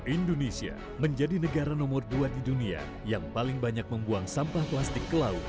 indonesia menjadi negara nomor dua di dunia yang paling banyak membuang sampah plastik ke laut